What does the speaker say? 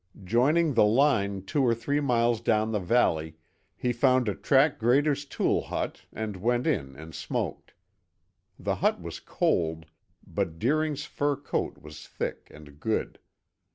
Joining the line two or three miles down the valley, he found a track grader's tool hut and went in and smoked. The hut was cold, but Deering's fur coat was thick and good.